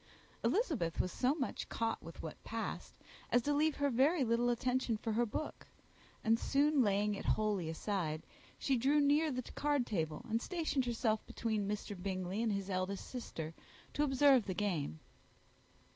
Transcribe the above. Elizabeth was so much caught by what passed, as to leave her very little attention for her book; and, soon laying it wholly aside, she drew near the card table, and stationed herself between Mr. Bingley and his eldest sister, to observe the game.